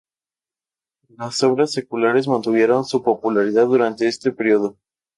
Las obras seculares mantuvieron su popularidad durante este período.